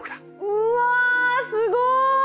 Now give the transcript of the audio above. うわすごい！